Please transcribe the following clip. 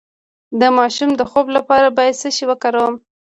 د ماشوم د خوب لپاره باید څه شی وکاروم؟